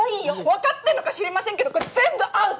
分かってんのか知りませんけどこれ全部アウト！